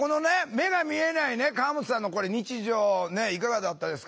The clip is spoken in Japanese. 目が見えない川本さんのこれ日常いかがだったですか？